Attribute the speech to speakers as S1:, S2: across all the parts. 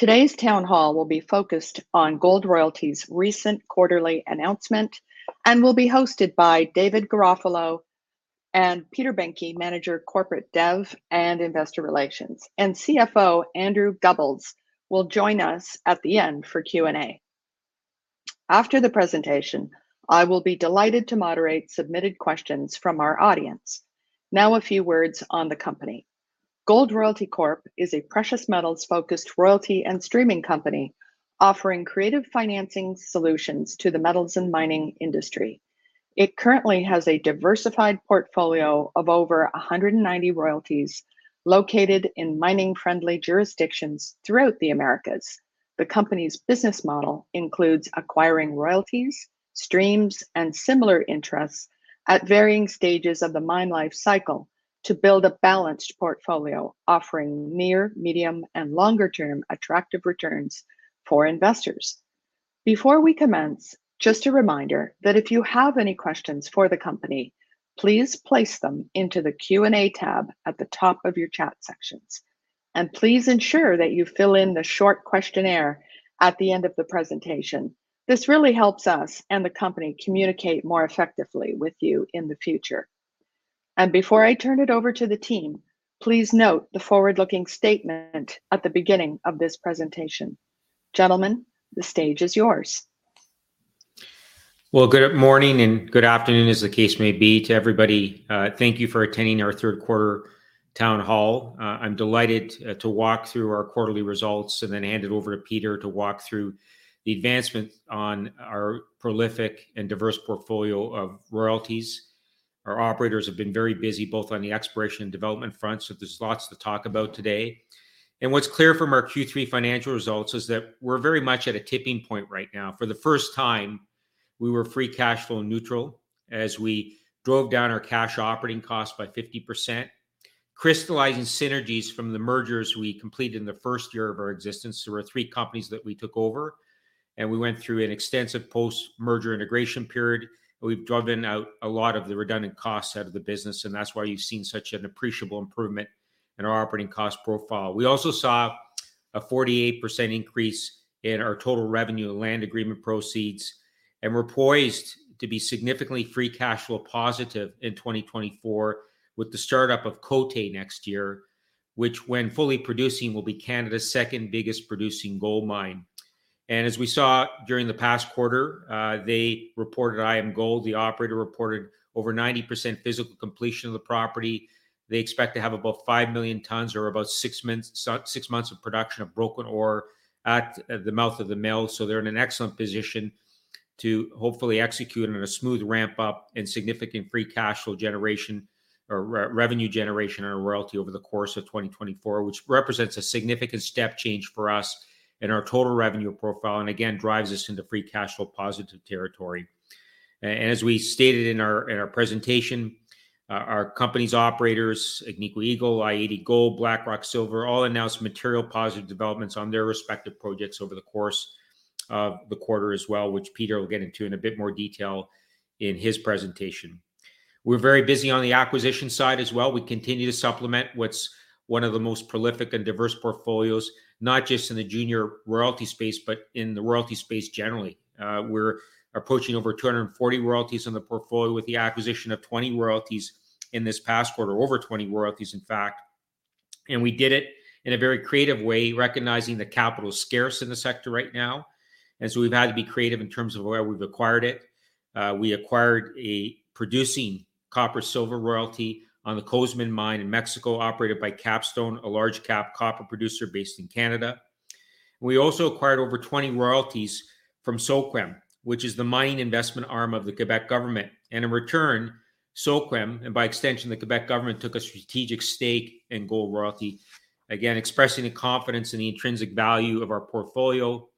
S1: Today's town hall will be focused on Gold Royalty's recent quarterly announcement, and will be hosted by David Garofalo and Peter Behncke, Manager, Corporate Dev and Investor Relations, and CFO Andrew Gubbels will join us at the end for Q&A. After the presentation, I will be delighted to moderate submitted questions from our audience. Now, a few words on the company. Gold Royalty Corp is a precious metals-focused royalty and streaming company, offering creative financing solutions to the metals and mining industry. It currently has a diversified portfolio of over 190 royalties located in mining-friendly jurisdictions throughout the Americas. The company's business model includes acquiring royalties, streams, and similar interests at varying stages of the mine life cycle to build a balanced portfolio, offering near, medium, and longer term attractive returns for investors. Before we commence, just a reminder that if you have any questions for the company, please place them into the Q&A tab at the top of your chat sections, and please ensure that you fill in the short questionnaire at the end of the presentation. This really helps us and the company communicate more effectively with you in the future. Before I turn it over to the team, please note the forward-looking statement at the beginning of this presentation. Gentlemen, the stage is yours.
S2: Well, good morning and good afternoon, as the case may be, to everybody. Thank you for attending our third quarter town hall. I'm delighted to walk through our quarterly results and then hand it over to Peter to walk through the advancement on our prolific and diverse portfolio of royalties. Our operators have been very busy, both on the exploration and development front, so there's lots to talk about today. What's clear from our Q3 financial results is that we're very much at a tipping point right now. For the first time, we were free cash flow neutral as we drove down our cash operating costs by 50%, crystallizing synergies from the mergers we completed in the first year of our existence. There were three companies that we took over, and we went through an extensive post-merger integration period, and we've driven out a lot of the redundant costs out of the business, and that's why you've seen such an appreciable improvement in our operating cost profile. We also saw a 48% increase in our total revenue and land agreement proceeds, and we're poised to be significantly free cash flow positive in 2024 with the start-up of Côté next year, which, when fully producing, will be Canada's second biggest producing gold mine. As we saw during the past quarter, they reported, IAMGOLD, the operator, reported over 90% physical completion of the property. They expect to have about 5 million tons or about six months of production of broken ore at the mouth of the mill. So they're in an excellent position to hopefully execute on a smooth ramp-up and significant free cash flow generation or revenue generation on our royalty over the course of 2024, which represents a significant step change for us in our total revenue profile, and again, drives us into free cash flow positive territory. And as we stated in our presentation, our company's operators, Agnico Eagle, i-80 Gold, Blackrock Silver, all announced material positive developments on their respective projects over the course of the quarter as well, which Peter will get into in a bit more detail in his presentation. We're very busy on the acquisition side as well. We continue to supplement what's one of the most prolific and diverse portfolios, not just in the junior royalty space, but in the royalty space generally. We're approaching over 240 royalties on the portfolio with the acquisition of 20 royalties in this past quarter, over 20 royalties, in fact, and we did it in a very creative way, recognizing that capital is scarce in the sector right now, and so we've had to be creative in terms of where we've acquired it. We acquired a producing copper silver royalty on the Cozamin Mine in Mexico, operated by Capstone, a large cap copper producer based in Canada. We also acquired over 20 royalties from SOQUEM, which is the mining investment arm of the Quebec government, and in return, SOQUEM, and by extension, the Quebec government, took a strategic stake in Gold Royalty. Again, expressing the confidence in the intrinsic value of our portfolio,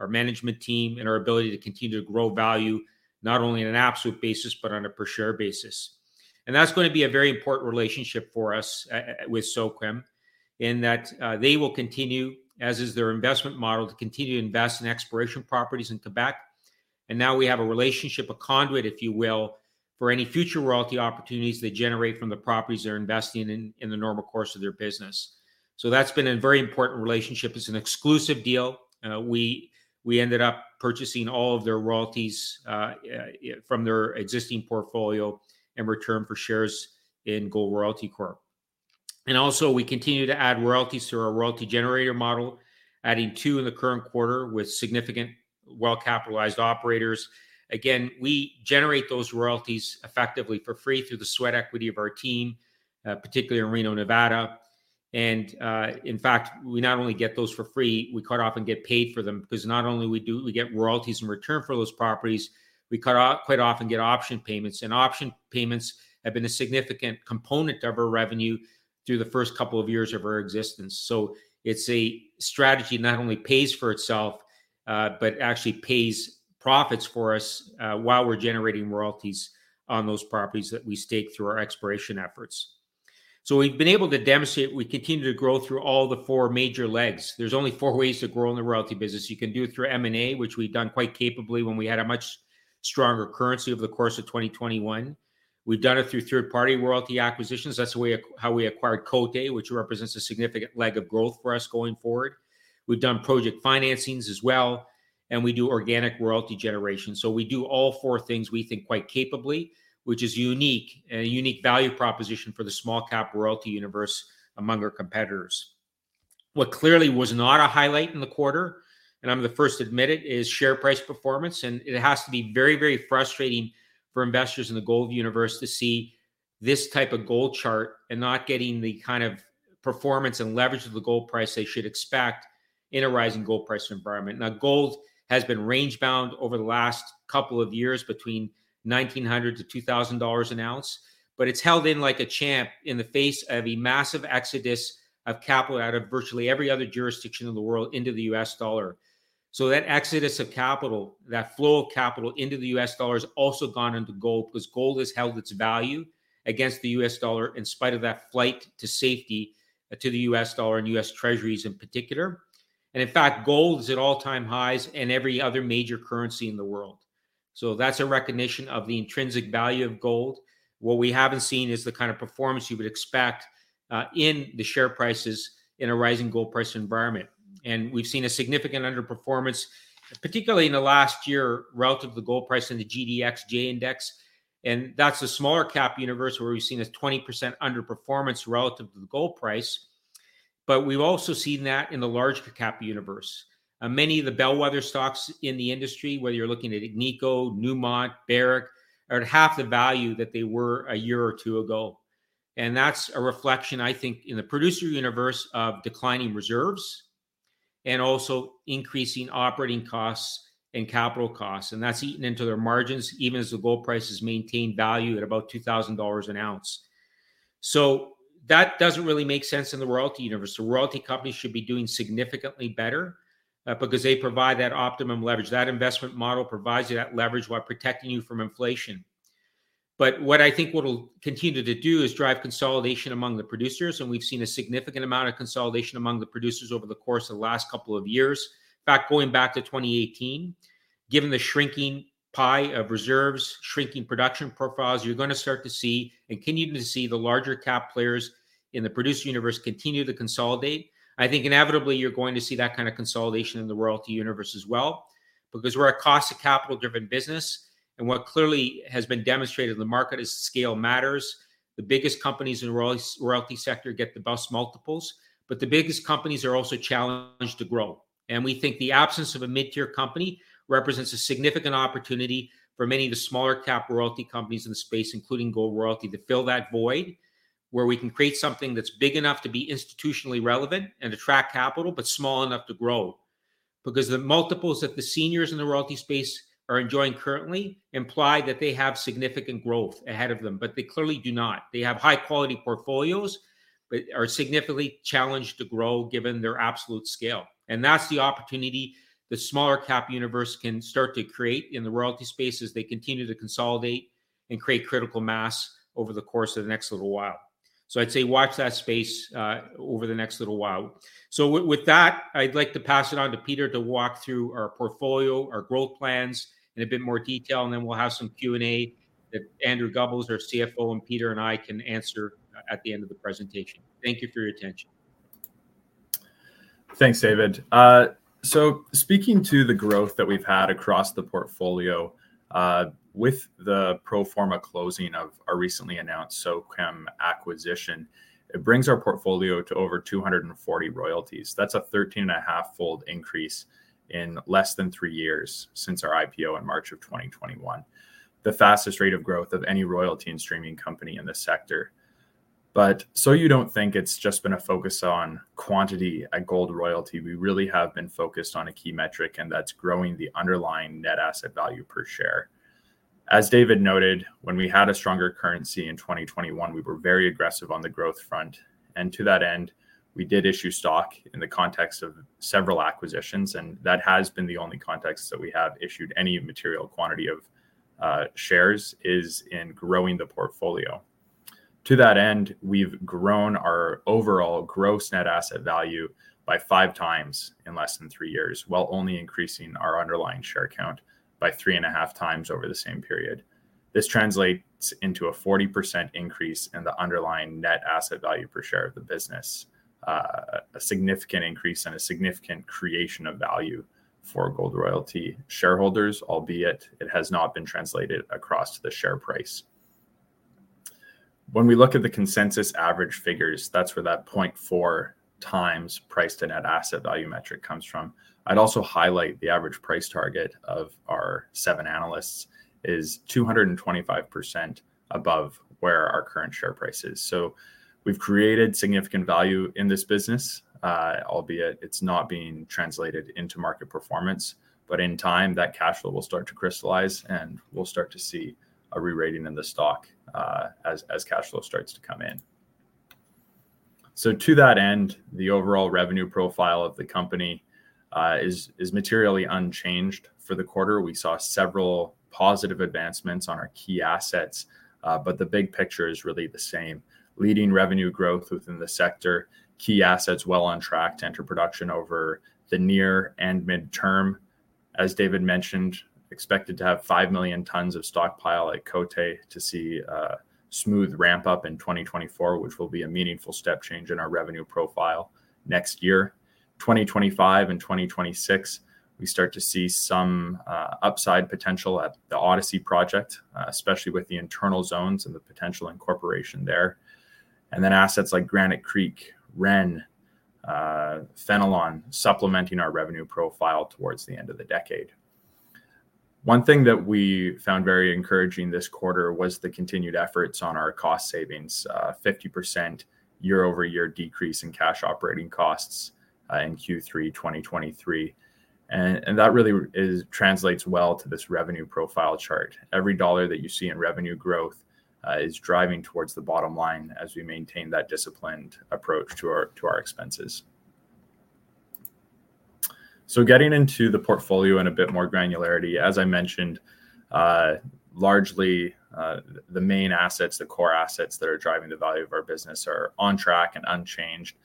S2: our management team, and our ability to continue to grow value, not only on an absolute basis but on a per share basis. That's going to be a very important relationship for us with SOQUEM, in that they will continue, as is their investment model, to continue to invest in exploration properties in Quebec. Now we have a relationship, a conduit, if you will, for any future royalty opportunities they generate from the properties they're investing in, in the normal course of their business. That's been a very important relationship. It's an exclusive deal. We ended up purchasing all of their royalties from their existing portfolio in return for shares in Gold Royalty Corp. And also, we continue to add royalties through our royalty generator model, adding two in the current quarter with significant well-capitalized operators. Again, we generate those royalties effectively for free through the sweat equity of our team, particularly in Reno, Nevada. And, in fact, we not only get those for free, we quite often get paid for them, because not only we get royalties in return for those properties, we quite often get option payments, and option payments have been a significant component of our revenue through the first couple of years of our existence. So it's a strategy that not only pays for itself, but actually pays profits for us, while we're generating royalties on those properties that we stake through our exploration efforts. So we've been able to demonstrate we continue to grow through all the four major legs. There's only four ways to grow in the royalty business. You can do it through M&A, which we've done quite capably when we had a much stronger currency over the course of 2021. We've done it through third-party royalty acquisitions. That's the way how we acquired Côté, which represents a significant leg of growth for us going forward. We've done project financings as well, and we do organic royalty generation. So we do all four things, we think, quite capably, which is unique, a unique value proposition for the small cap royalty universe among our competitors. What clearly was not a highlight in the quarter, and I'm the first to admit it, is share price performance, and it has to be very, very frustrating for investors in the gold universe to see this type of gold chart and not getting the kind of performance and leverage of the gold price they should expect in a rising gold price environment. Now, gold has been range-bound over the last couple of years between $1,900-$2,000 an ounce, but it's held in like a champ in the face of a massive exodus of capital out of virtually every other jurisdiction in the world into the US dollar. So that exodus of capital, that flow of capital into the US dollar, has also gone into gold, because gold has held its value against the US dollar in spite of that flight to safety, to the US dollar and US Treasuries in particular. And in fact, gold is at all-time highs in every other major currency in the world. So that's a recognition of the intrinsic value of gold. What we haven't seen is the kind of performance you would expect, in the share prices in a rising gold price environment. And we've seen a significant underperformance, particularly in the last year, relative to the gold price in the GDXJ Index, and that's a smaller cap universe, where we've seen a 20% underperformance relative to the gold price. But we've also seen that in the large cap universe. Many of the bellwether stocks in the industry, whether you're looking at Agnico, Newmont, Barrick, are at half the value that they were a year or two ago. And that's a reflection, I think, in the producer universe of declining reserves and also increasing operating costs and capital costs, and that's eaten into their margins, even as the gold price has maintained value at about $2,000 an ounce. So that doesn't really make sense in the royalty universe. The royalty companies should be doing significantly better, because they provide that optimum leverage. That investment model provides you that leverage while protecting you from inflation. But what I think what it'll continue to do is drive consolidation among the producers, and we've seen a significant amount of consolidation among the producers over the course of the last couple of years. In fact, going back to 2018, given the shrinking pie of reserves, shrinking production profiles, you're gonna start to see and continue to see the larger cap players in the producer universe continue to consolidate. I think inevitably you're going to see that kind of consolidation in the royalty universe as well, because we're a cost of capital-driven business, and what clearly has been demonstrated in the market is scale matters. The biggest companies in the royalty sector get the best multiples, but the biggest companies are also challenged to grow. And we think the absence of a mid-tier company represents a significant opportunity for many of the smaller cap royalty companies in the space, including Gold Royalty, to fill that void, where we can create something that's big enough to be institutionally relevant and attract capital, but small enough to grow. Because the multiples that the seniors in the royalty space are enjoying currently imply that they have significant growth ahead of them, but they clearly do not. They have high-quality portfolios, but are significantly challenged to grow, given their absolute scale. That's the opportunity the smaller cap universe can start to create in the royalty space as they continue to consolidate and create critical mass over the course of the next little while. I'd say watch that space over the next little while. With that, I'd like to pass it on to Peter to walk through our portfolio, our growth plans in a bit more detail, and then we'll have some Q&A that Andrew Gubbels, our CFO, and Peter and I can answer at the end of the presentation. Thank you for your attention.
S3: Thanks, David. So speaking to the growth that we've had across the portfolio, with the pro forma closing of our recently announced SOQUEM acquisition, it brings our portfolio to over 240 royalties. That's a 13.5-fold increase in less than 3 years since our IPO in March 2021, the fastest rate of growth of any royalty and streaming company in the sector. But so you don't think it's just been a focus on quantity at Gold Royalty, we really have been focused on a key metric, and that's growing the underlying net asset value per share. As David noted, when we had a stronger currency in 2021, we were very aggressive on the growth front, and to that end, we did issue stock in the context of several acquisitions, and that has been the only context that we have issued any material quantity of shares is in growing the portfolio. To that end, we've grown our overall gross net asset value by 5 times in less than 3 years, while only increasing our underlying share count by 3.5 times over the same period. This translates into a 40% increase in the underlying net asset value per share of the business, a significant increase and a significant creation of value for Gold Royalty shareholders, albeit it has not been translated across to the share price. When we look at the consensus average figures, that's where that 0.4x price to net asset value metric comes from. I'd also highlight the average price target of our 7 analysts is 225% above where our current share price is. So we've created significant value in this business, albeit it's not being translated into market performance, but in time, that cash flow will start to crystallize, and we'll start to see a re-rating in the stock, as cash flow starts to come in. So to that end, the overall revenue profile of the company is materially unchanged for the quarter. We saw several positive advancements on our key assets, but the big picture is really the same: leading revenue growth within the sector, key assets well on track to enter production over the near and midterm. As David mentioned, expected to have 5 million tons of stockpile at Côté to see a smooth ramp up in 2024, which will be a meaningful step change in our revenue profile next year. 2025 and 2026, we start to see some upside potential at the Odyssey project, especially with the internal zones and the potential incorporation there. And then assets like Granite Creek, Ren, Fenelon, supplementing our revenue profile towards the end of the decade. One thing that we found very encouraging this quarter was the continued efforts on our cost savings, 50% year-over-year decrease in cash operating costs, in Q3 2023. And that really translates well to this revenue profile chart. Every dollar that you see in revenue growth is driving towards the bottom line as we maintain that disciplined approach to our expenses. So getting into the portfolio in a bit more granularity, as I mentioned, largely, the main assets, the core assets that are driving the value of our business are on track and unchanged.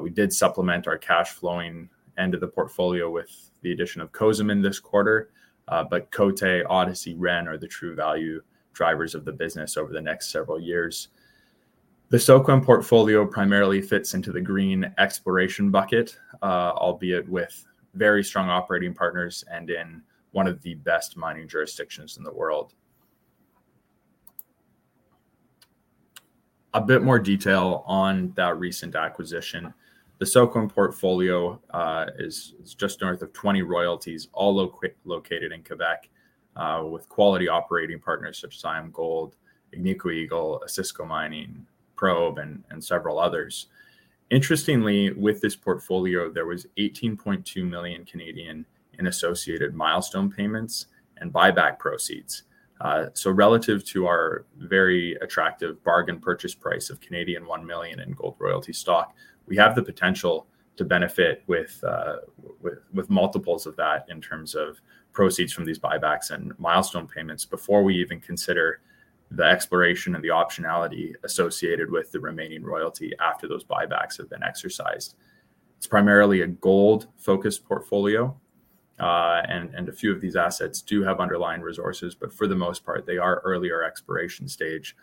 S3: We did supplement our cash flowing end of the portfolio with the addition of Cozamin in this quarter, but Côté, Odyssey, Ren, are the true value drivers of the business over the next several years. The SOQUEM portfolio primarily fits into the green exploration bucket, albeit with very strong operating partners and in one of the best mining jurisdictions in the world. A bit more detail on that recent acquisition. The SOQUEM portfolio is, it's just north of 20 royalties, all located in Quebec with quality operating partners such as IAMGOLD, Agnico Eagle, Osisko Mining, Probe, and several others. Interestingly, with this portfolio, there was 18.2 million in associated milestone payments and buyback proceeds. So relative to our very attractive bargain purchase price of 1 million in Gold Royalty stock, we have the potential to benefit with multiples of that in terms of proceeds from these buybacks and milestone payments before we even consider the exploration and the optionality associated with the remaining royalty after those buybacks have been exercised. It's primarily a gold-focused portfolio, and a few of these assets do have underlying resources, but for the most part, they are earlier exploration stage.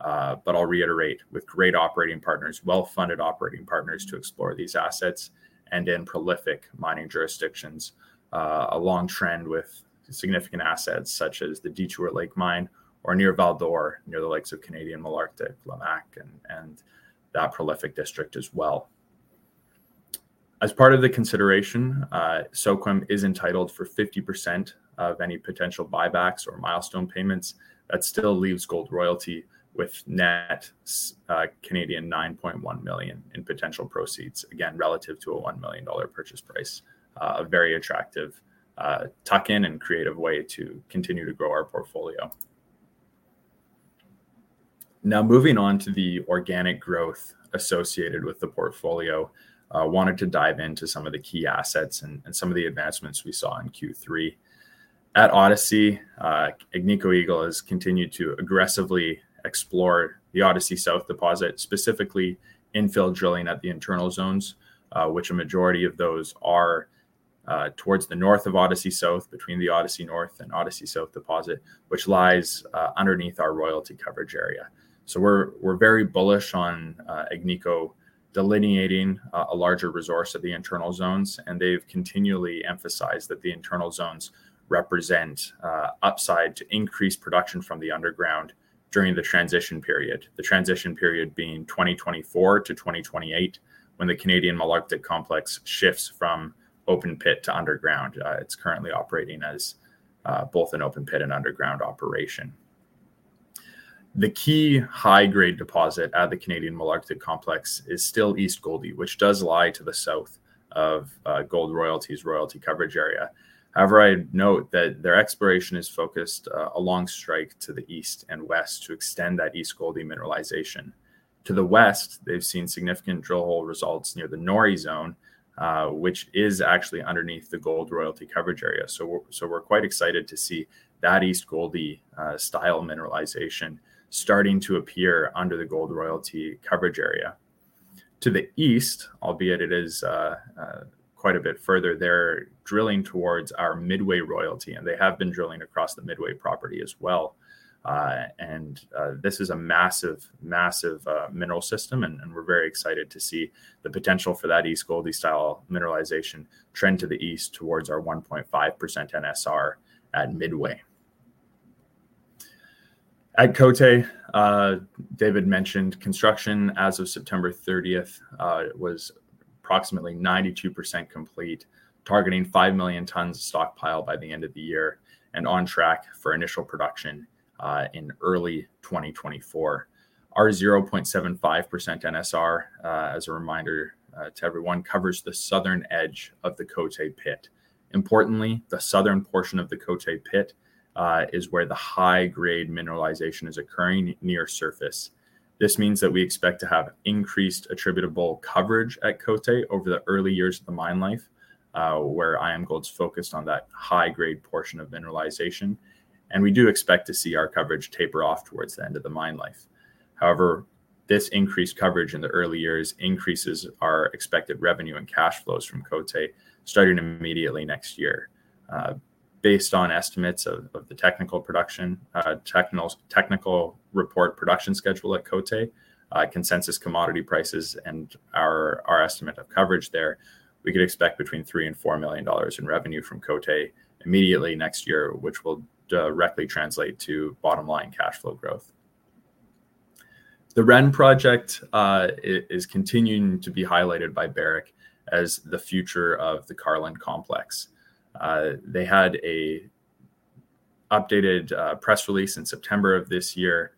S3: But I'll reiterate, with great operating partners, well-funded operating partners, to explore these assets, and in prolific mining jurisdictions, a long trend with significant assets such as the Detour Lake Mine or near Val-d'Or, near the likes of Canadian Malartic, La Motte, and that prolific district as well. As part of the consideration, SOQUEM is entitled for 50% of any potential buybacks or milestone payments. That still leaves Gold Royalty with net Canadian 9.1 million in potential proceeds, again, relative to a $1 million purchase price. A very attractive, tuck-in and creative way to continue to grow our portfolio. Now, moving on to the organic growth associated with the portfolio, I wanted to dive into some of the key assets and some of the advancements we saw in Q3. At Odyssey, Agnico Eagle has continued to aggressively explore the Odyssey South deposit, specifically infill drilling at the internal zones, which a majority of those are towards the north of Odyssey South, between the Odyssey North and Odyssey South deposit, which lies underneath our royalty coverage area. So we're very bullish on Agnico delineating a larger resource at the internal zones, and they've continually emphasized that the internal zones represent upside to increased production from the underground during the transition period, the transition period being 2024 to 2028, when the Canadian Malartic Complex shifts from open pit to underground. It's currently operating as both an open pit and underground operation. The key high-grade deposit at the Canadian Malartic Complex is still East Goldie, which does lie to the south of Gold Royalty's royalty coverage area. However, I'd note that their exploration is focused along strike to the east and west to extend that East Goldie mineralization. To the west, they've seen significant drill hole results near the Norie Zone, which is actually underneath the Gold Royalty coverage area. So we're quite excited to see that East Goldie style mineralization starting to appear under the Gold Royalty coverage area. To the east, albeit it is quite a bit further, they're drilling towards our Midway royalty, and they have been drilling across the Midway property as well. And this is a massive, massive mineral system, and we're very excited to see the potential for that East Goldie style mineralization trend to the east towards our 1.5% NSR at Midway. At Côté, David mentioned construction as of September 30th, it was approximately 92% complete, targeting 5 million tons of stockpile by the end of the year, and on track for initial production in early 2024. Our 0.75% NSR, as a reminder to everyone, covers the southern edge of the Côté pit. Importantly, the southern portion of the Côté pit is where the high-grade mineralization is occurring near surface. This means that we expect to have increased attributable coverage at Côté over the early years of the mine life, where IAMGOLD's focused on that high-grade portion of mineralization, and we do expect to see our coverage taper off towards the end of the mine life. However, this increased coverage in the early years increases our expected revenue and cash flows from Côté, starting immediately next year. Based on estimates of the technical production, technical report production schedule at Côté, consensus commodity prices and our estimate of coverage there, we could expect between $3 million and $4 million in revenue from Côté immediately next year, which will directly translate to bottom line cash flow growth. The Ren Project is continuing to be highlighted by Barrick as the future of the Carlin Complex. They had an updated press release in September of this year,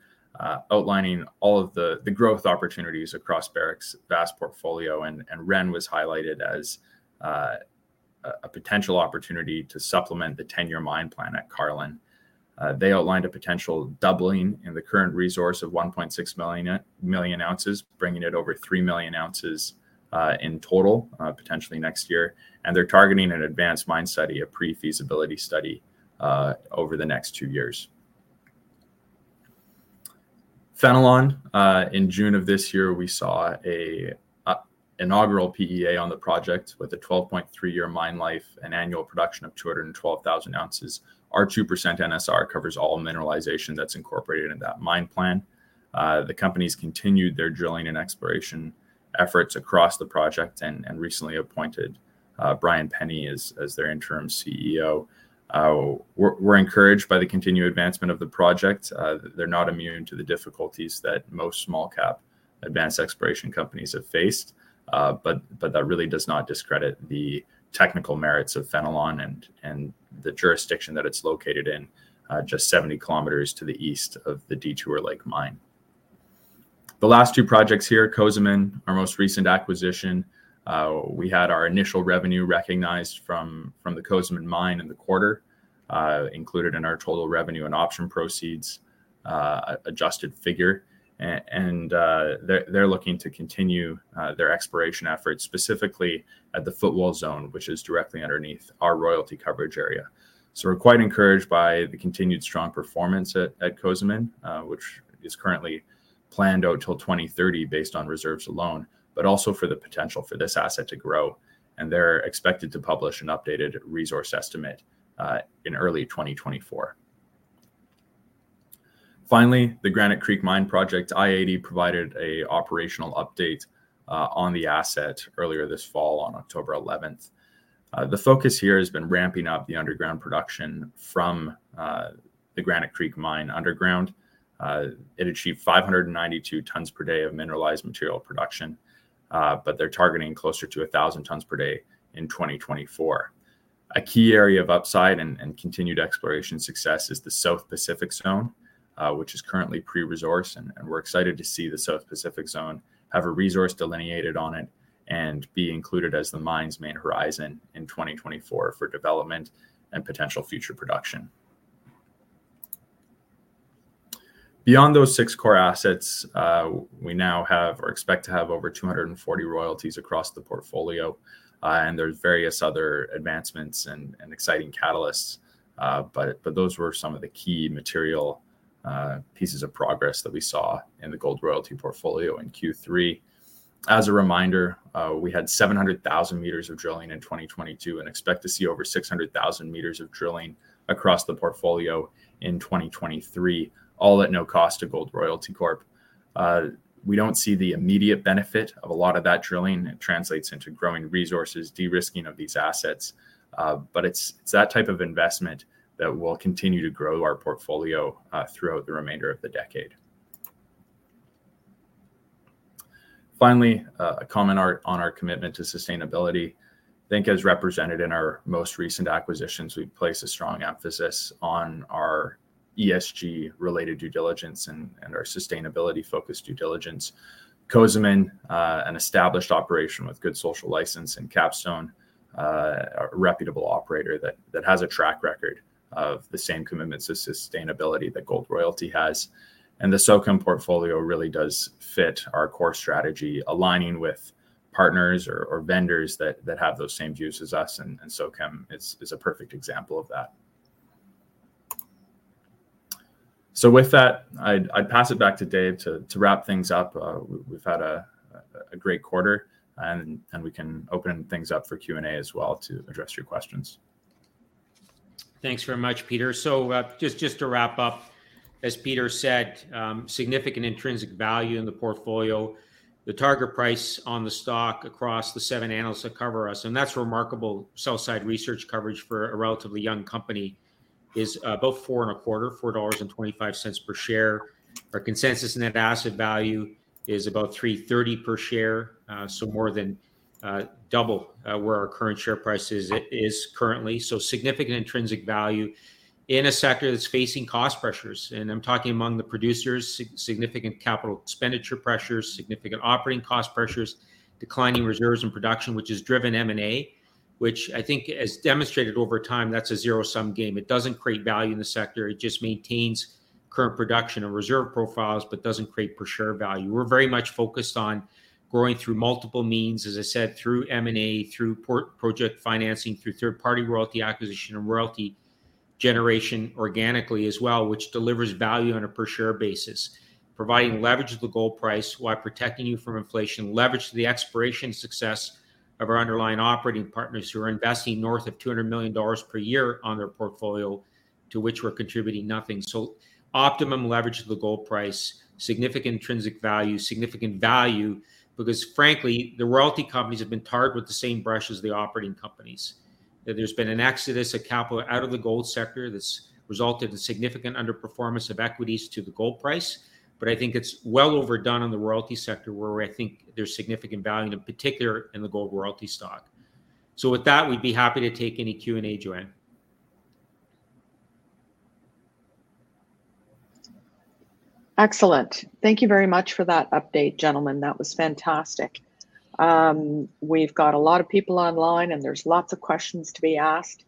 S3: outlining all of the growth opportunities across Barrick's vast portfolio, and Ren was highlighted as a potential opportunity to supplement the 10-year mine plan at Carlin. They outlined a potential doubling in the current resource of 1.6 million ounces, bringing it over 3 million ounces in total, potentially next year, and they're targeting an advanced mine study, a pre-feasibility study, over the next two years. Fenelon, in June of this year, we saw an inaugural PEA on the project with a 12.3-year mine life and annual production of 212,000 ounces. Our 2% NSR covers all mineralization that's incorporated in that mine plan. The company's continued their drilling and exploration efforts across the project and recently appointed Brian Penny as their interim CEO. We're encouraged by the continued advancement of the project. They're not immune to the difficulties that most small cap advanced exploration companies have faced, but that really does not discredit the technical merits of Fenelon and the jurisdiction that it's located in, just 70 kilometers to the east of the Detour Lake Mine. The last two projects here, Cozamin, our most recent acquisition, we had our initial revenue recognized from the Cozamin Mine in the quarter, included in our total revenue and option proceeds, adjusted figure, and they're looking to continue their exploration efforts, specifically at the Footwall Zone, which is directly underneath our royalty coverage area. So we're quite encouraged by the continued strong performance at, at Cozamin, which is currently planned out till 2030 based on reserves alone, but also for the potential for this asset to grow, and they're expected to publish an updated resource estimate, in early 2024. Finally, the Granite Creek Mine Project, i80 provided an operational update, on the asset earlier this fall on October 11th. The focus here has been ramping up the underground production from, the Granite Creek Mine underground. It achieved 592 tons per day of mineralized material production, but they're targeting closer to 1,000 tons per day in 2024. A key area of upside and continued exploration success is the South Pacific Zone, which is currently pre-resource, and we're excited to see the South Pacific Zone have a resource delineated on it and be included as the mine's main horizon in 2024 for development and potential future production. Beyond those six core assets, we now have or expect to have over 240 royalties across the portfolio, and there's various other advancements and exciting catalysts, but those were some of the key material pieces of progress that we saw in the Gold Royalty portfolio in Q3. As a reminder, we had 700,000 meters of drilling in 2022 and expect to see over 600,000 meters of drilling across the portfolio in 2023, all at no cost to Gold Royalty Corp. We don't see the immediate benefit of a lot of that drilling. It translates into growing resources, de-risking of these assets, but it's, it's that type of investment that will continue to grow our portfolio, throughout the remainder of the decade. Finally, a comment on our commitment to sustainability. I think as represented in our most recent acquisitions, we place a strong emphasis on our ESG-related due diligence and our sustainability-focused due diligence. Cozamin, an established operation with good social license, and Capstone, a reputable operator that has a track record of the same commitments to sustainability that Gold Royalty has. The SOQUEM portfolio really does fit our core strategy, aligning with partners or vendors that have those same views as us, and SOQUEM is a perfect example of that. So with that, I'd pass it back to Dave to wrap things up. We've had a great quarter, and we can open things up for Q&A as well to address your questions.
S2: Thanks very much, Peter. So, just to wrap up, as Peter said, significant intrinsic value in the portfolio. The target price on the stock across the seven analysts that cover us, and that's remarkable sell side research coverage for a relatively young company, is about $4.25 per share. Our consensus net asset value is about $3.30 per share, so more than double where our current share price is currently. So significant intrinsic value in a sector that's facing cost pressures, and I'm talking among the producers, significant capital expenditure pressures, significant operating cost pressures, declining reserves and production, which has driven M&A, which I think, as demonstrated over time, that's a zero-sum game. It doesn't create value in the sector. It just maintains current production and reserve profiles, but doesn't create per-share value. We're very much focused on growing through multiple means, as I said, through M&A, through port- project financing, through third-party royalty acquisition and royalty-... generation organically as well, which delivers value on a per share basis, providing leverage to the gold price while protecting you from inflation. Leverage to the exploration success of our underlying operating partners, who are investing north of $200 million per year on their portfolio, to which we're contributing nothing. So optimum leverage to the gold price, significant intrinsic value, significant value, because frankly, the royalty companies have been tarred with the same brush as the operating companies. That there's been an exodus of capital out of the gold sector that's resulted in significant underperformance of equities to the gold price. But I think it's well overdone in the royalty sector, where I think there's significant value, in particular in the gold royalty stock. So with that, we'd be happy to take any Q&A, Joanne.
S1: Excellent. Thank you very much for that update, gentlemen. That was fantastic. We've got a lot of people online, and there's lots of questions to be asked.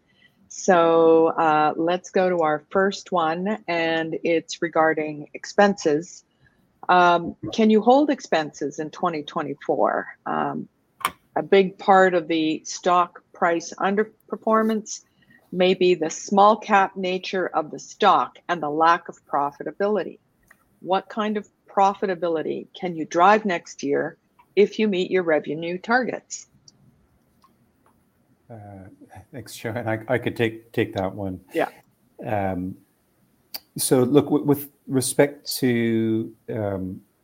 S1: So, let's go to our first one, and it's regarding expenses. Can you hold expenses in 2024? A big part of the stock price underperformance may be the small cap nature of the stock and the lack of profitability. What kind of profitability can you drive next year if you meet your revenue targets?
S4: Thanks, Joanne. I could take that one.
S1: Yeah.
S4: So look, with respect to,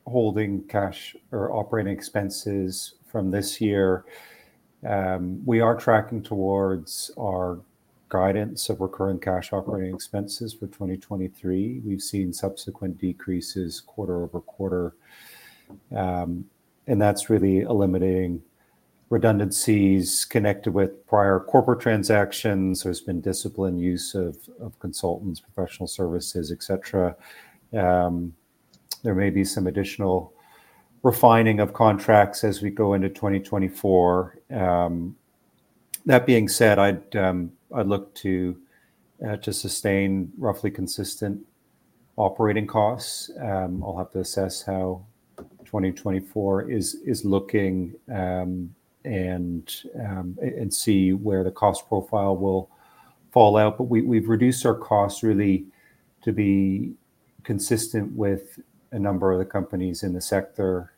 S4: holding cash or operating expenses from this year, we are tracking towards our guidance of recurrent cash operating expenses for 2023. We've seen subsequent decreases quarter-over-quarter. And that's really eliminating redundancies connected with prior corporate transactions. There's been disciplined use of, of consultants, professional services, et cetera. There may be some additional refining of contracts as we go into 2024. That being said, I'd, I'd look to, to sustain roughly consistent operating costs. I'll have to assess how 2024 is, is looking, and, and see where the cost profile will fall out. But we, we've reduced our costs really to be consistent with a number of the companies in the sector,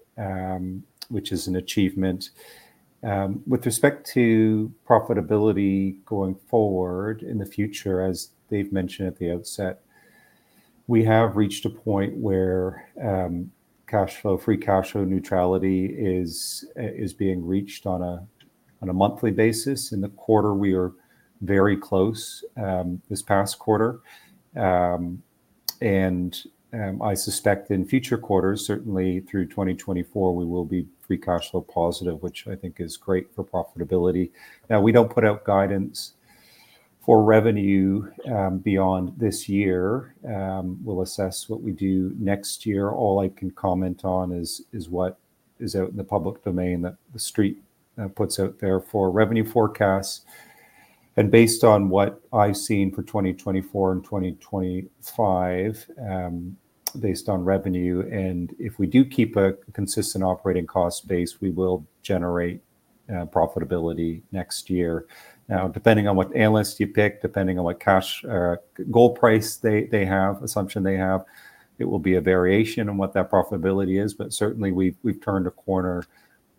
S4: which is an achievement. With respect to profitability going forward in the future, as Dave mentioned at the outset, we have reached a point where cash flow, Free Cash Flow neutrality is being reached on a monthly basis. In the quarter, we are very close, this past quarter. I suspect in future quarters, certainly through 2024, we will be Free Cash Flow positive, which I think is great for profitability. Now, we don't put out guidance for revenue beyond this year. We'll assess what we do next year. All I can comment on is what is out in the public domain, that the street puts out there for revenue forecasts. Based on what I've seen for 2024 and 2025, based on revenue, and if we do keep a consistent operating cost base, we will generate profitability next year. Now, depending on what analysts you pick, depending on what cash, or gold price they, they have, assumption they have, it will be a variation on what that profitability is. But certainly we've, we've turned a corner,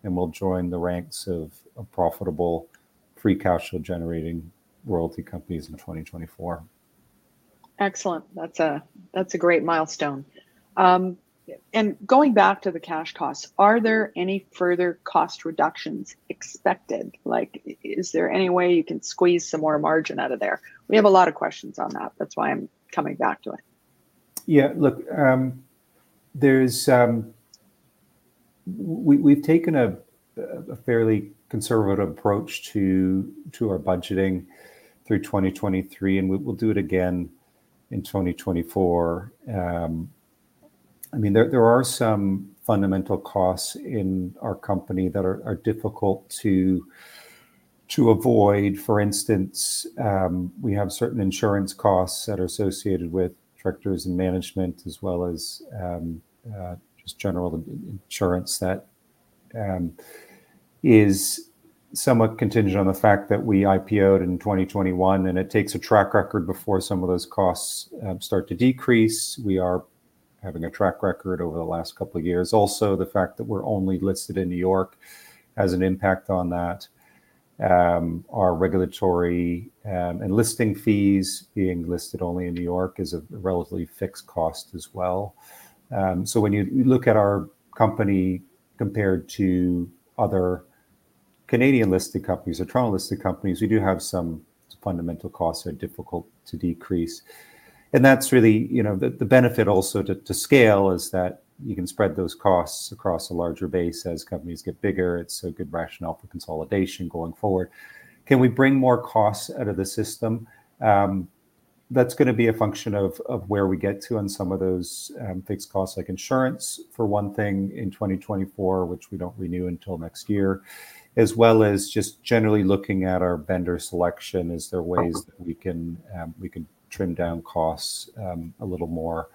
S4: and we'll join the ranks of a profitable, free cash flow generating royalty companies in 2024.
S1: Excellent. That's a, that's a great milestone. And going back to the cash costs, are there any further cost reductions expected? Like, is there any way you can squeeze some more margin out of there? We have a lot of questions on that. That's why I'm coming back to it.
S4: Yeah, look, there's... We've taken a fairly conservative approach to our budgeting through 2023, and we'll do it again in 2024. I mean, there are some fundamental costs in our company that are difficult to avoid. For instance, we have certain insurance costs that are associated with directors and management, as well as just general insurance that is somewhat contingent on the fact that we IPO'd in 2021, and it takes a track record before some of those costs start to decrease. We are having a track record over the last couple of years. Also, the fact that we're only listed in New York has an impact on that. Our regulatory and listing fees, being listed only in New York, is a relatively fixed cost as well. So when you look at our company compared to other Canadian-listed companies or Toronto-listed companies, we do have some fundamental costs that are difficult to decrease. That's really you know the benefit also to scale is that you can spread those costs across a larger base as companies get bigger. It's a good rationale for consolidation going forward. Can we bring more costs out of the system? That's gonna be a function of where we get to on some of those fixed costs, like insurance, for one thing, in 2024, which we don't renew until next year, as well as just generally looking at our vendor selection. Is there ways that we can trim down costs a little more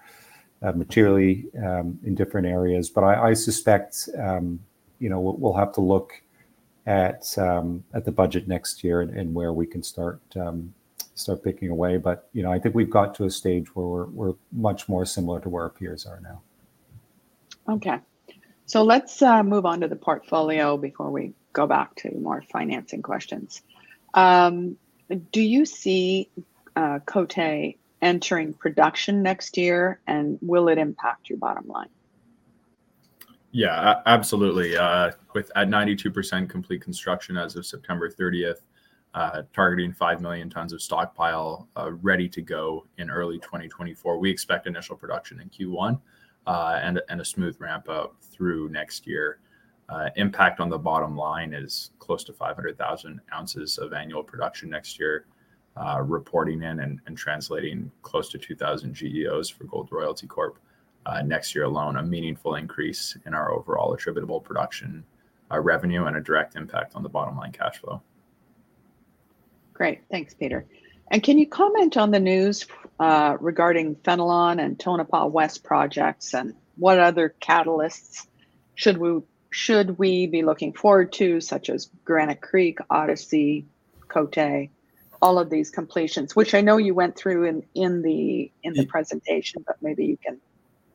S4: materially in different areas? But I suspect, you know, we'll have to look-... at the budget next year and where we can start picking away. But, you know, I think we've got to a stage where we're much more similar to where our peers are now.
S1: Okay. Let's move on to the portfolio before we go back to more financing questions. Do you see Côté entering production next year, and will it impact your bottom line?
S3: Yeah, absolutely. With at 92% complete construction as of September thirtieth, targeting 5 million tons of stockpile, ready to go in early 2024. We expect initial production in Q1, and a smooth ramp-up through next year. Impact on the bottom line is close to 500,000 ounces of annual production next year, reporting in and translating close to 2,000 GEOs for Gold Royalty Corp., next year alone, a meaningful increase in our overall attributable production, revenue, and a direct impact on the bottom-line cash flow.
S1: Great. Thanks, Peter. Can you comment on the news regarding Fenelon and Tonopah West projects, and what other catalysts should we be looking forward to, such as Granite Creek, Odyssey, Côté, all of these completions, which I know you went through in the-
S3: Yeah...
S1: in the presentation, but maybe you can-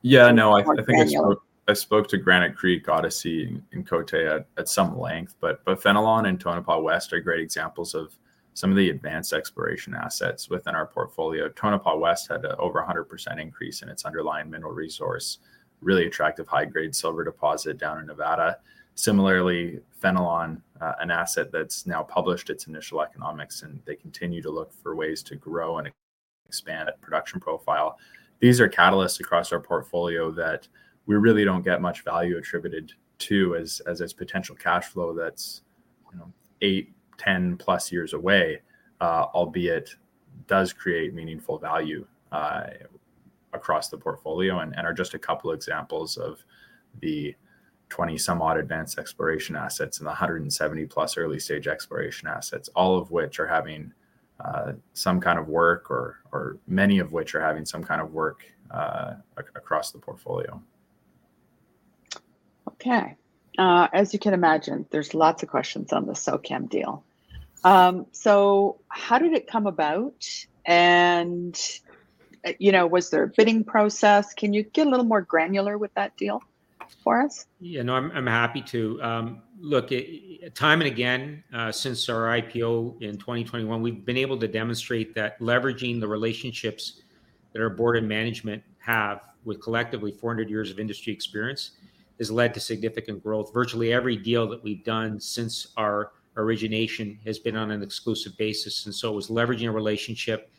S3: Yeah, no, I think—
S1: More granular...
S3: I spoke to Granite Creek, Odyssey, and Côté at some length, but Fenelon and Tonopah West are great examples of some of the advanced exploration assets within our portfolio. Tonopah West had over 100% increase in its underlying mineral resource, really attractive high-grade silver deposit down in Nevada. Similarly, Fenelon, an asset that's now published its initial economics, and they continue to look for ways to grow and expand its production profile. These are catalysts across our portfolio that we really don't get much value attributed to as its potential cash flow that's, you know, 8, 10+ years away, albeit does create meaningful value across the portfolio, and are just a couple examples of the 20-some-odd advanced exploration assets and the 170+ early-stage exploration assets, all of which are having some kind of work or many of which are having some kind of work across the portfolio.
S1: Okay, as you can imagine, there's lots of questions on the SOQUEM deal. How did it come about, and, you know, was there a bidding process? Can you get a little more granular with that deal for us?
S2: Yeah, no, I'm happy to. Look, time and again, since our IPO in 2021, we've been able to demonstrate that leveraging the relationships that our board and management have, with collectively 400 years of industry experience, has led to significant growth. Virtually every deal that we've done since our origination has been on an exclusive basis, and so it was leveraging a relationship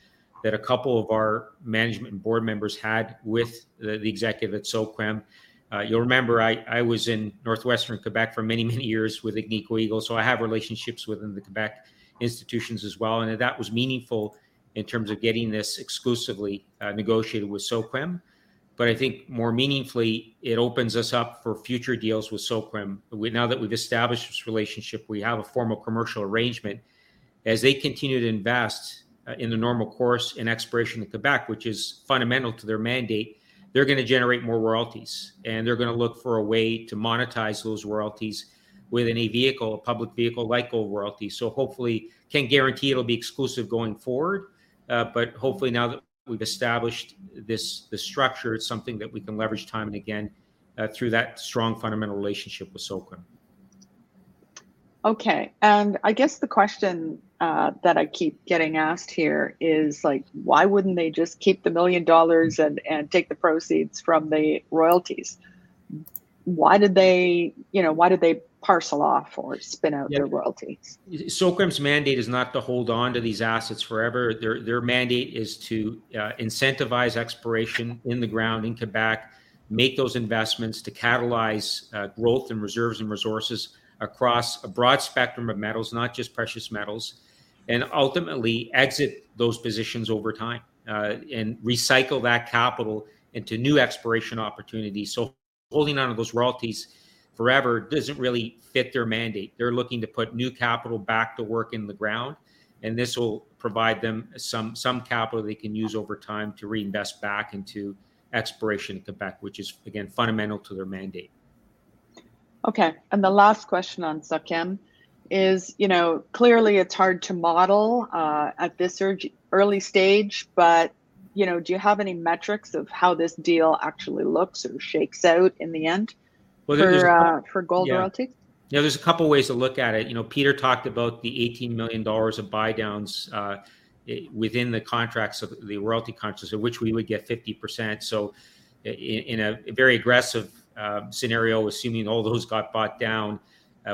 S2: that a couple of our management and board members had with the executive at SOQUEM. You'll remember, I was in northwestern Quebec for many, many years with Agnico Eagle, so I have relationships within the Quebec institutions as well, and that was meaningful in terms of getting this exclusively negotiated with SOQUEM. But I think more meaningfully, it opens us up for future deals with SOQUEM. Now that we've established this relationship, we have a formal commercial arrangement. As they continue to invest, in the normal course in exploration in Quebec, which is fundamental to their mandate, they're gonna generate more royalties, and they're gonna look for a way to monetize those royalties with a new vehicle, a public vehicle like Gold Royalty. So hopefully, can't guarantee it'll be exclusive going forward, but hopefully now that we've established this, this structure, it's something that we can leverage time and again, through that strong fundamental relationship with SOQUEM.
S1: Okay, and I guess the question that I keep getting asked here is, like, why wouldn't they just keep the $1 million and, and take the proceeds from the royalties? Why did they, you know, why did they parcel off or spin out-
S2: Yeah...
S1: their royalties?
S2: SOQUEM's mandate is not to hold on to these assets forever. Their, their mandate is to, incentivize exploration in the ground in Quebec, make those investments to catalyze, growth and reserves and resources across a broad spectrum of metals, not just precious metals, and ultimately exit those positions over time, and recycle that capital into new exploration opportunities. So holding onto those royalties forever doesn't really fit their mandate. They're looking to put new capital back to work in the ground, and this will provide them some, some capital they can use over time to reinvest back into exploration in Quebec, which is, again, fundamental to their mandate.
S1: Okay, and the last question on SOQUEM is, you know, clearly, it's hard to model at this early stage, but, you know, do you have any metrics of how this deal actually looks or shakes out in the end?
S2: Well, there's-...
S1: for, for Gold Royalty?
S2: Yeah. Yeah, there's a couple ways to look at it. You know, Peter talked about the $18 million of buy downs within the contracts of the royalty contracts, of which we would get 50%. So in a very aggressive scenario, assuming all those got bought down,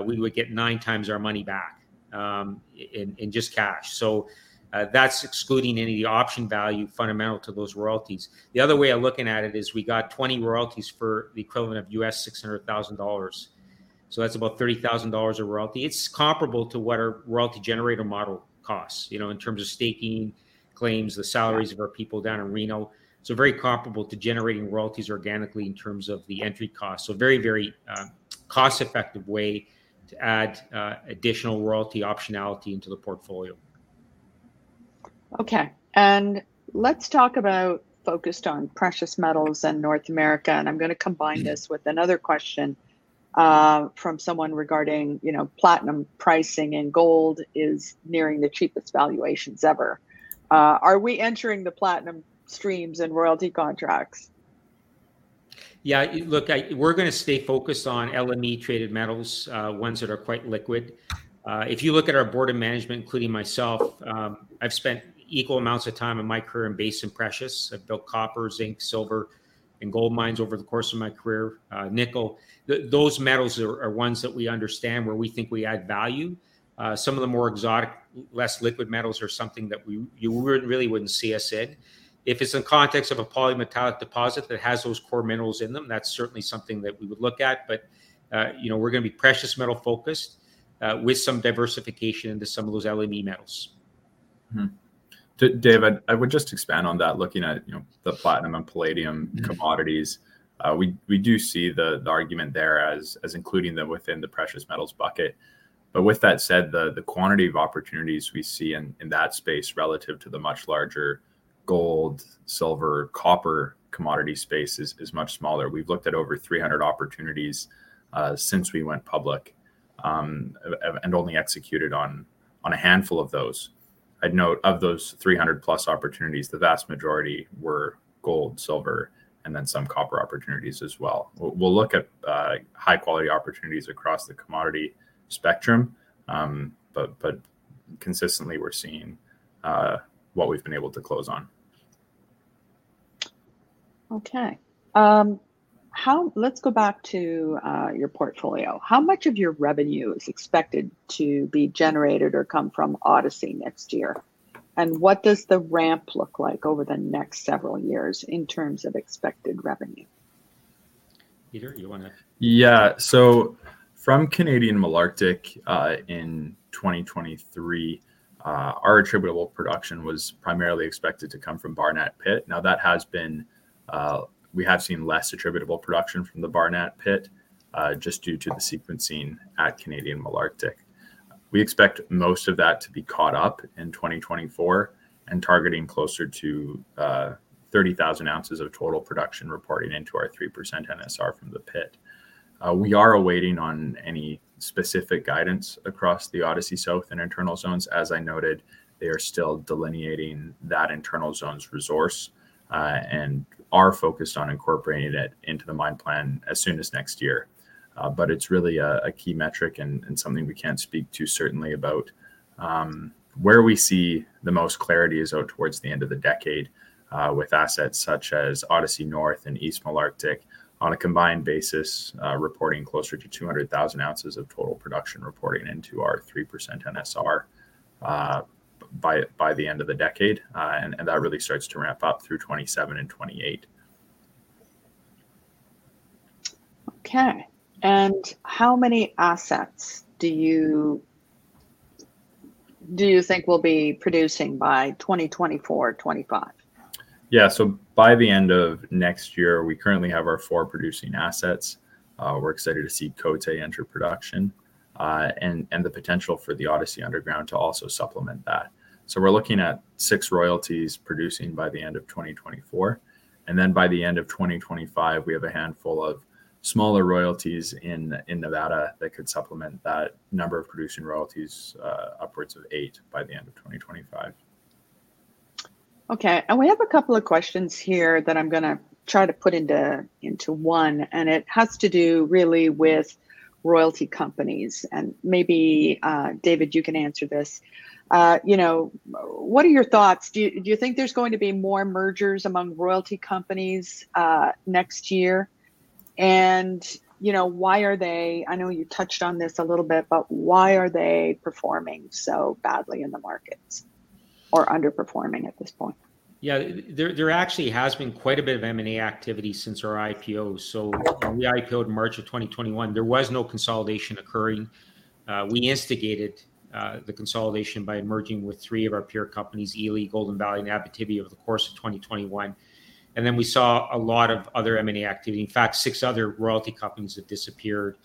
S2: we would get 9 times our money back in just cash. So that's excluding any of the option value fundamental to those royalties. The other way of looking at it is, we got 20 royalties for the equivalent of $600,000, so that's about $30,000 a royalty. It's comparable to what our royalty generator model costs, you know, in terms of staking claims, the salaries-
S1: Yeah...
S2: of our people down in Reno, so very comparable to generating royalties organically in terms of the entry cost. So a very, very, cost-effective way to add, additional royalty optionality into the portfolio....
S1: Okay, and let's talk about focused on precious metals in North America, and I'm gonna combine this with another question from someone regarding, you know, platinum pricing, and gold is nearing the cheapest valuations ever. Are we entering the platinum streams and royalty contracts?
S2: Yeah, look, we're gonna stay focused on LME-traded metals, ones that are quite liquid. If you look at our board of management, including myself, I've spent equal amounts of time in my career in base and precious. I've built copper, zinc, silver, and gold mines over the course of my career, nickel. Those metals are ones that we understand, where we think we add value. Some of the more exotic, less liquid metals are something that we really wouldn't see us in. If it's in context of a polymetallic deposit that has those core minerals in them, that's certainly something that we would look at, but, you know, we're gonna be precious metal-focused, with some diversification into some of those LME metals.
S3: David, I would just expand on that. Looking at, you know, the platinum and palladium commodities, we do see the argument there as including them within the precious metals bucket. But with that said, the quantity of opportunities we see in that space relative to the much larger gold, silver, copper commodity space is much smaller. We've looked at over 300 opportunities since we went public and only executed on a handful of those. I'd note, of those 300 plus opportunities, the vast majority were gold, silver, and then some copper opportunities as well. We'll look at high-quality opportunities across the commodity spectrum, but consistently, we're seeing what we've been able to close on.
S1: Okay. Let's go back to your portfolio. How much of your revenue is expected to be generated or come from Odyssey next year, and what does the ramp look like over the next several years in terms of expected revenue?
S3: Peter, yeah. So from Canadian Malartic, in 2023, our attributable production was primarily expected to come from Barnat Pit. Now, that has been... We have seen less attributable production from the Barnat Pit, just due to the sequencing at Canadian Malartic. We expect most of that to be caught up in 2024 and targeting closer to 30,000 ounces of total production reporting into our 3% NSR from the pit. We are awaiting on any specific guidance across the Odyssey South and Norie zones. As I noted, they are still delineating that Norie zones resource, and are focused on incorporating it into the mine plan as soon as next year. But it's really a key metric and something we can't speak to certainly about. Where we see the most clarity is out towards the end of the decade, with assets such as Odyssey North and East Malartic, on a combined basis, reporting closer to 200,000 ounces of total production reporting into our 3% NSR, by the end of the decade, and that really starts to ramp up through 2027 and 2028.
S1: Okay. And how many assets do you think we'll be producing by 2024, 2025?
S3: Yeah, so by the end of next year, we currently have our 4 producing assets. We're excited to see Côté enter production, and the potential for the Odyssey Underground to also supplement that. So we're looking at 6 royalties producing by the end of 2024, and then by the end of 2025, we have a handful of smaller royalties in Nevada that could supplement that number of producing royalties, upwards of 8 by the end of 2025.
S1: Okay, and we have a couple of questions here that I'm gonna try to put into one, and it has to do really with royalty companies, and maybe David, you can answer this. You know, what are your thoughts? Do you think there's going to be more mergers among royalty companies next year? And, you know, why are they... I know you touched on this a little bit, but why are they performing so badly in the markets or underperforming at this point?
S2: Yeah, there, there actually has been quite a bit of M&A activity since our IPO. So when we IPO'd in March 2021, there was no consolidation occurring. We instigated the consolidation by merging with three of our peer companies, Ely, Golden Valley, and Abitibi, over the course of 2021, and then we saw a lot of other M&A activity. In fact, 6 other royalty companies have disappeared,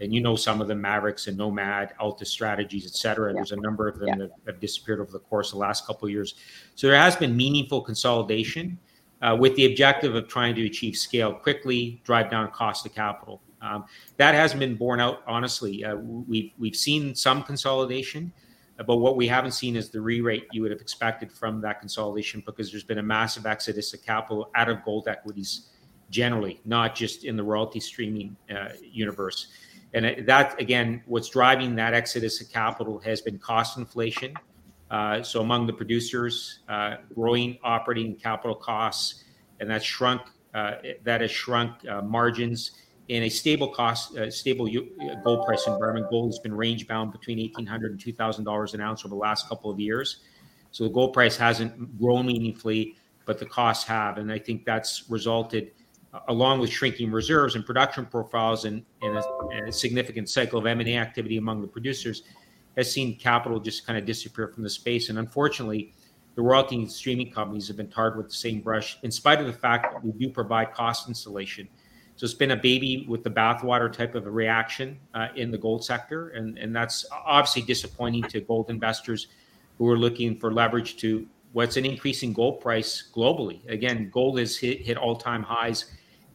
S2: and you know some of them, Maverix and Nomad, Altus Strategies, etc.
S1: Yeah.
S2: There's a number of them-
S1: Yeah...
S2: that have disappeared over the course of the last couple of years. So there has been meaningful consolidation, with the objective of trying to achieve scale quickly, drive down cost of capital. That hasn't been borne out honestly. We've seen some consolidation, but what we haven't seen is the re-rate you would have expected from that consolidation because there's been a massive exodus of capital out of gold equities generally, not just in the royalty streaming universe. And that... Again, what's driving that exodus of capital has been cost inflation. So among the producers, growing operating capital costs, and that has shrunk margins. In a stable cost, stable gold price environment, gold has been range-bound between $1,800-$2,000 an ounce over the last couple of years. So the gold price hasn't grown meaningfully, but the costs have, and I think that's resulted along with shrinking reserves and production profiles and a significant cycle of M&A activity among the producers, has seen capital just kinda disappear from the space. And unfortunately, the royalty and streaming companies have been tarred with the same brush, in spite of the fact that we do provide cost insulation. So it's been a baby with the bathwater type of a reaction in the gold sector, and that's obviously disappointing to gold investors who are looking for leverage to what's an increasing gold price globally. Again, gold has hit all-time highs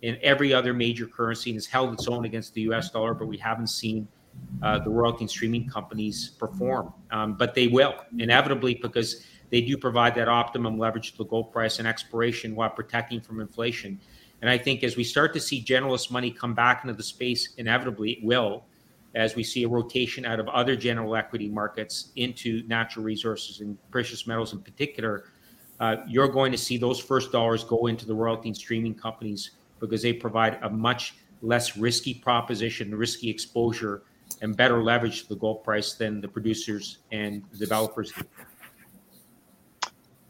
S2: in every other major currency and has held its own against the U.S. dollar, but we haven't seen the royalty and streaming companies perform. But they will inevitably, because they do provide that optimum leverage to the gold price and exploration while protecting from inflation. I think as we start to see generalist money come back into the space, inevitably it will, as we see a rotation out of other general equity markets into natural resources and precious metals in particular, you're going to see those first dollars go into the royalty and streaming companies because they provide a much less risky proposition, risky exposure, and better leverage to the gold price than the producers and developers.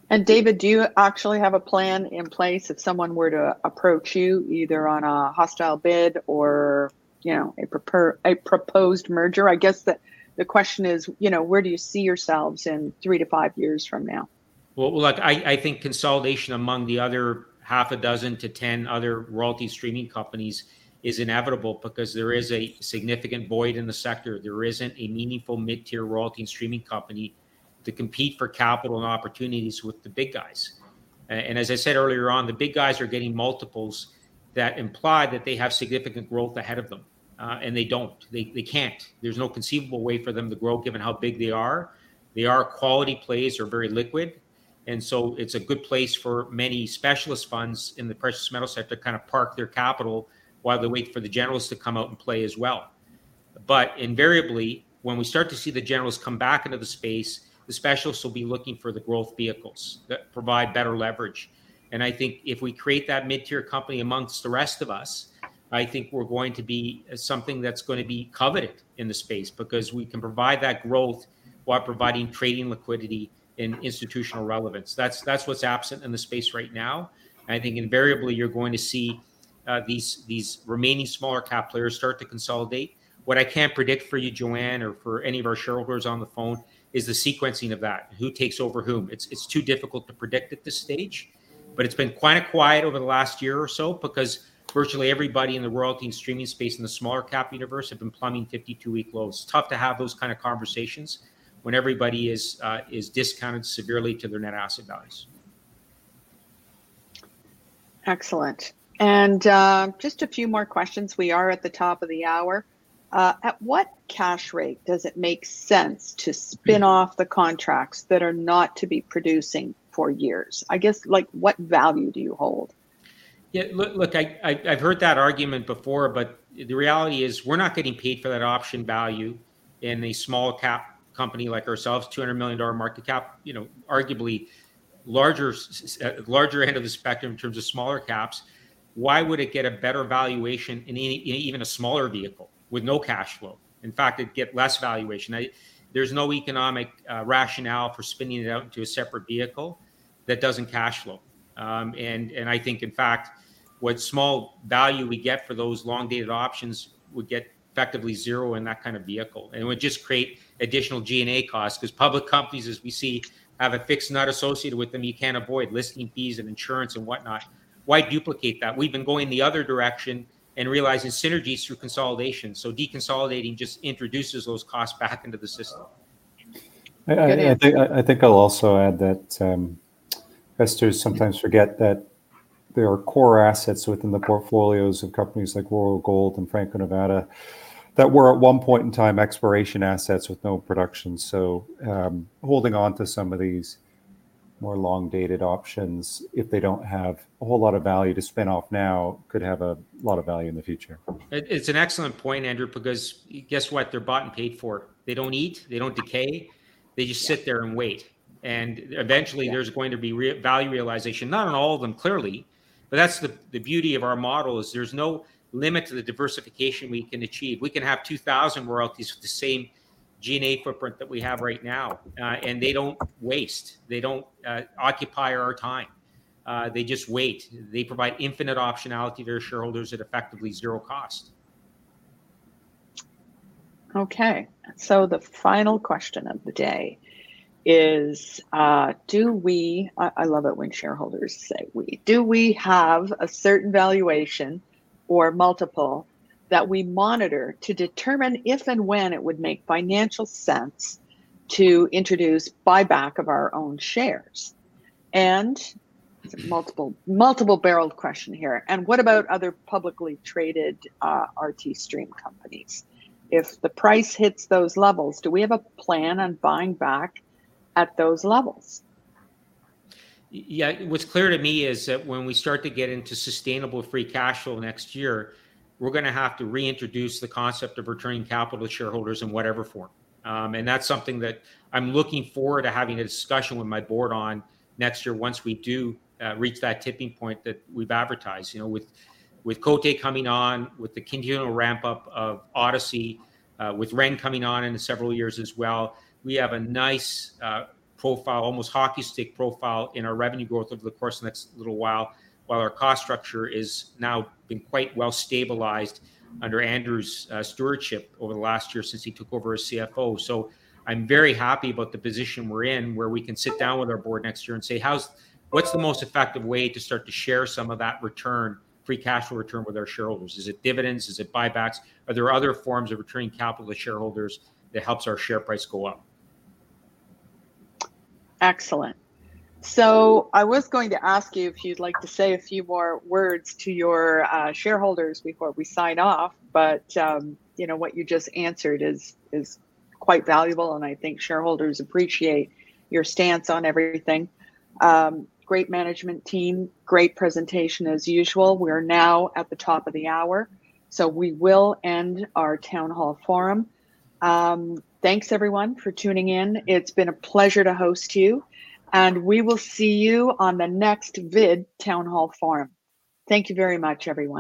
S1: And David, do you actually have a plan in place if someone were to approach you, either on a hostile bid or, you know, a proposed merger? I guess the question is, you know, where do you see yourselves in three to five years from now?
S2: Well, look, I think consolidation among the other half a dozen to ten other royalty streaming companies is inevitable because there is a significant void in the sector. There isn't a meaningful mid-tier royalty and streaming company to compete for capital and opportunities with the big guys. And as I said earlier on, the big guys are getting multiples that imply that they have significant growth ahead of them. And they don't. They can't. There's no conceivable way for them to grow, given how big they are. They are quality plays, are very liquid, and so it's a good place for many specialist funds in the precious metal sector to kind of park their capital while they wait for the generals to come out and play as well. But invariably, when we start to see the generals come back into the space, the specialists will be looking for the growth vehicles that provide better leverage. And I think if we create that mid-tier company amongst the rest of us, I think we're going to be, something that's gonna be coveted in the space, because we can provide that growth while providing trading liquidity and institutional relevance. That's, that's what's absent in the space right now, and I think invariably you're going to see, these, these remaining smaller cap players start to consolidate. What I can't predict for you, Joanne, or for any of our shareholders on the phone, is the sequencing of that, who takes over whom. It's too difficult to predict at this stage, but it's been quiet over the last year or so because virtually everybody in the royalty and streaming space in the smaller cap universe have been plumbing 52-week lows. It's tough to have those kind of conversations when everybody is discounted severely to their net asset values.
S1: Excellent. And, just a few more questions. We are at the top of the hour. At what cash rate does it make sense to spin off the contracts that are not to be producing for years? I guess, like, what value do you hold?
S2: Yeah, look, look, I, I've heard that argument before, but the reality is, we're not getting paid for that option value. In a small cap company like ourselves, $200 million market cap, you know, arguably larger end of the spectrum in terms of smaller caps, why would it get a better valuation in even a smaller vehicle with no cash flow? In fact, it'd get less valuation. There's no economic rationale for spinning it out into a separate vehicle that doesn't cash flow. And I think, in fact, what small value we get for those long-dated options would get effectively zero in that kind of vehicle, and it would just create additional G&A costs, because public companies, as we see, have a fixed nut associated with them. You can't avoid listing fees and insurance and whatnot. Why duplicate that? We've been going the other direction and realizing synergies through consolidation, so deconsolidating just introduces those costs back into the system.
S4: I think I'll also add that investors sometimes forget that there are core assets within the portfolios of companies like Royal Gold and Franco-Nevada that were, at one point in time, exploration assets with no production. So, holding on to some of these more long-dated options, if they don't have a whole lot of value to spin off now, could have a lot of value in the future.
S2: It's an excellent point, Andrew, because guess what? They're bought and paid for. They don't eat, they don't decay.
S1: Yeah.
S2: They just sit there and wait, and eventually-
S1: Yeah...
S2: there's going to be revalue realization. Not on all of them, clearly, but that's the beauty of our model, is there's no limit to the diversification we can achieve. We can have 2,000 royalties with the same G&A footprint that we have right now, and they don't waste, they don't occupy our time. They just wait. They provide infinite optionality to their shareholders at effectively zero cost.
S1: Okay, so the final question of the day is: "Do we..." I, I love it when shareholders say "we." "Do we have a certain valuation or multiple that we monitor to determine if and when it would make financial sense to introduce buyback of our own shares?" And multiple, multiple-barreled question here: "And what about other publicly traded, royalty stream companies? If the price hits those levels, do we have a plan on buying back at those levels?
S2: Yeah, what's clear to me is that when we start to get into sustainable free cash flow next year, we're gonna have to reintroduce the concept of returning capital to shareholders in whatever form. And that's something that I'm looking forward to having a discussion with my board on next year once we do reach that tipping point that we've advertised. You know, with Côté coming on, with the continual ramp-up of Odyssey, with Ren coming on in several years as well, we have a nice profile, almost hockey stick profile, in our revenue growth over the course of the next little while, while our cost structure is now been quite well stabilized under Andrew's stewardship over the last year since he took over as CFO. So I'm very happy about the position we're in, where we can sit down with our board next year and say, "What's the most effective way to start to share some of that return, free cash flow return with our shareholders? Is it dividends? Is it buybacks? Are there other forms of returning capital to shareholders that helps our share price go up?
S1: Excellent. So I was going to ask you if you'd like to say a few more words to your shareholders before we sign off, but you know, what you just answered is quite valuable, and I think shareholders appreciate your stance on everything. Great management team, great presentation, as usual. We're now at the top of the hour, so we will end our town hall forum. Thanks, everyone, for tuning in. It's been a pleasure to host you, and we will see you on the next VID Town Hall Forum. Thank you very much, everyone.